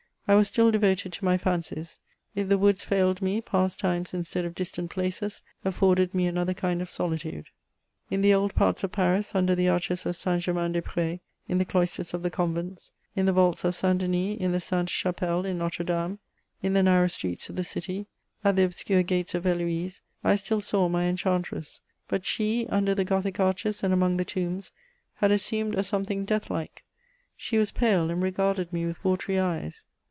I was still devoted to my fancies : if the woods failed me, past times instead of distant places afforded me another kind of solitude. In the old parts of Paris, under the arches of Saint Ger main des Pr^s, in the cloisters of the convents, in the vaults of St. Denis, in the Sainte Chapelle, in Notre Dame, ih the narrow streets of the city, at the obscure gates of Heloise, I still saw my enchantress ; but she, under the gothic arches and among the tombs, had assumed a something death like. She was pale, and regarded me with watery eyes.